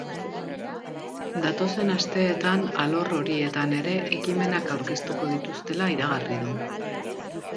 Datozen asteetan alor horietan ere ekimenak aurkeztuko dituztela iragarri du.